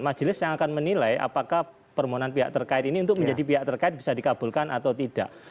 majelis yang akan menilai apakah permohonan pihak terkait ini untuk menjadi pihak terkait bisa dikabulkan atau tidak